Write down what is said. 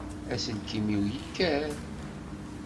Aselkim-iw yekker.